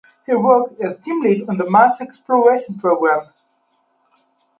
He worked as team lead on the Mars Exploration Program.